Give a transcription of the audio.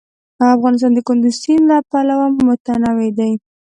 افغانستان د کندز سیند له پلوه متنوع دی.